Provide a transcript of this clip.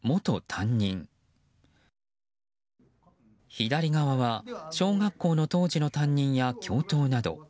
左側は小学校の当時の担任や教頭など。